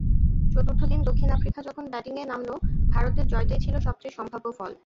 চতুর্থ দিন দক্ষিণ আফ্রিকা যখন ব্যাটিংয়ে নামল, ভারতের জয়টাই ছিল সবচেয়ে সম্ভাব্য ফল।